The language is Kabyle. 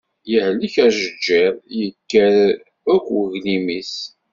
Yehlek ajeǧǧiḍ, yekker akk uglim-is.